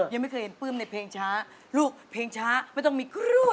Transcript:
ยังไม่เคยเห็นปลื้มในเพลงช้าลูกเพลงช้าไม่ต้องมีกล้วย